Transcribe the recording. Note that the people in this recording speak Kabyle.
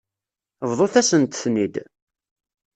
Bḍut-asent-ten-id.